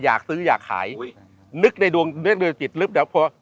อยากซื้ออยากขายนึกในดวงนึกโดยจิตลึกเดี๋ยวพอ